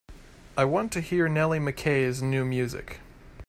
I want to hear Nellie Mckay's new music.